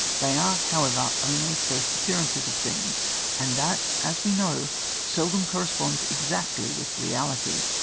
They are, however, only first appearances of things, and that, as we know, seldom corresponds exactly with reality.